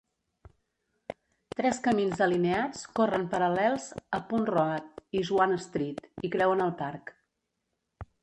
Tres camins alineats corren paral·lels a Punt Road i Swan Street, i creuen el parc.